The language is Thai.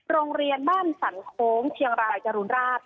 โรงเรียนบ้านสันโค้งเชียงรายจรูนราช